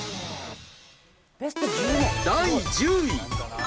第１０位。